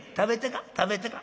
食べてか？